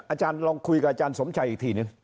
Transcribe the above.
อาจารย์ลองคุยกับอาจารย์สมชัยอีกทีนึง